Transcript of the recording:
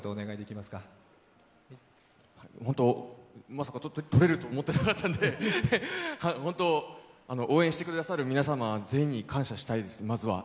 まさか、とれると思ってなかったんで、ホント応援してくださる皆様全員に感謝したいです、まずは。